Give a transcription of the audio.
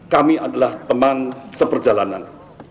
kami adalah teman seperjalanan